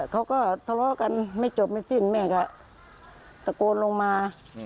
เขาก็ทะเลาะกันไม่จบไม่สิ้นแม่ก็ตะโกนลงมา